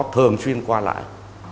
thường xuyên qua lại